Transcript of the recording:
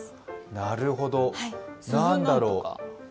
なるほど、何だろう。